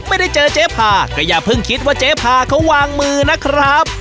ไม่ได้เจอเจ๊พาก็อย่าเพิ่งคิดว่าเจ๊พาเขาวางมือนะครับ